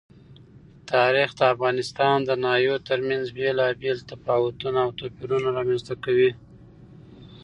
تاریخ د افغانستان د ناحیو ترمنځ بېلابېل تفاوتونه او توپیرونه رامنځ ته کوي.